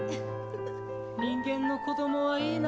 人間の子どもはいいな。